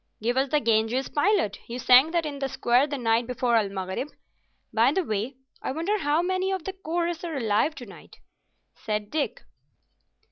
"Give us the "Ganges Pilot"; you sang that in the square the night before El Maghrib. By the way, I wonder how many of the chorus are alive to night," said Dick.